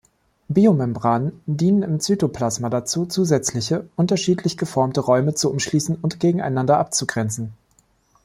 Biomembranen dienen im Cytoplasma dazu, zusätzliche, unterschiedlich geformte Räume zu umschließen und gegeneinander abzugrenzen.